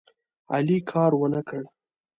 علي کار ونه کړ.